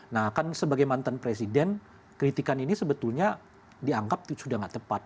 nah kan sebagai mantan presiden kritikan ini sebetulnya dianggap itu sudah tidak tepat